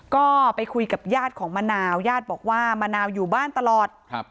ก็ไปคุยกับญาติของมะนาวญาติบอกว่ามะนาวอยู่บ้านตลอดครับ